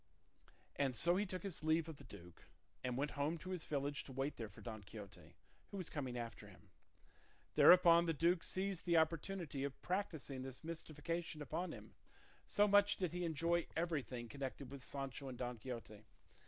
And so he took his leave of the duke, and went home to his village to wait there for Don Quixote, who was coming after him. Thereupon the duke seized the opportunity of practising this mystification upon him; so much did he enjoy everything connected with Sancho and Don Quixote.